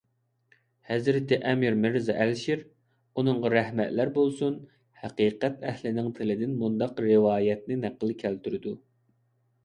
ھەزرىتى ئەمىر مىرزا ئەلىشىر -ئۇنىڭغا رەھمەتلەر بولسۇن- ھەقىقەت ئەھلىنىڭ تىلىدىن مۇنداق رىۋايەتنى نەقىل كەلتۈرىدۇ: